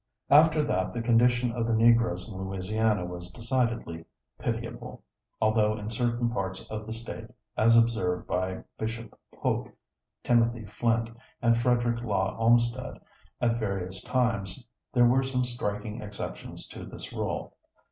" After that the condition of the Negroes in Louisiana was decidedly pitiable, although in certain parts of the State, as observed by Bishop Polk, Timothy Flint, and Frederic Law Olmsted at various times, there were some striking exceptions to this rule.